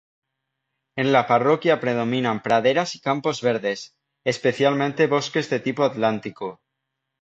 En la parroquia predominan praderas y campos verdes, especialmente bosques de tipo atlántico.